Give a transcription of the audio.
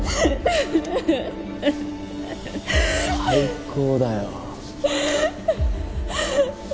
最高だよ。